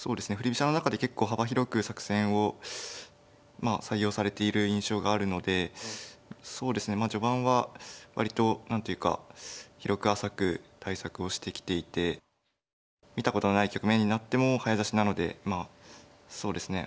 飛車の中で結構幅広く作戦を採用されている印象があるので序盤は割と何ていうか広く浅く対策をしてきていて見たことのない局面になっても早指しなのでまあそうですね